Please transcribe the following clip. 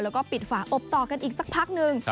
แล้วก็ปิดฝาอบต่อกันอีกสักพักหนึ่ง